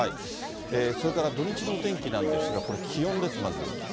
それから土日のお天気なんですが、これ、気温です、まず。